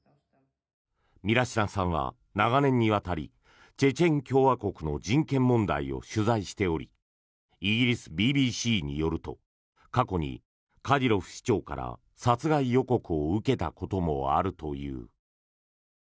ミラシナさんは長年にわたりチェチェン共和国の人権問題を取材しておりイギリスＢＢＣによると過去にカディロフ首長から殺害予告を受けたこともあるという。